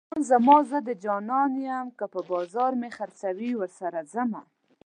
جانان زما زه د جانان يم که په بازار مې خرڅوي ورسره ځمه